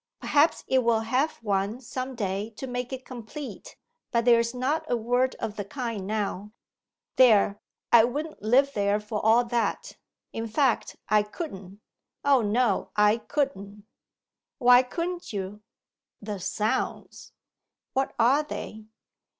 Perhaps it will have one some day to make it complete; but there's not a word of the kind now. There, I wouldn't live there for all that. In fact, I couldn't. O no, I couldn't.' 'Why couldn't you?' 'The sounds.' 'What are they?